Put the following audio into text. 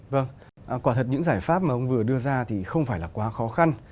vâng quả thật những giải pháp mà ông vừa đưa ra thì không phải là quá khó khăn